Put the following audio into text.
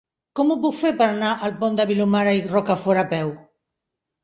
Com ho puc fer per anar al Pont de Vilomara i Rocafort a peu?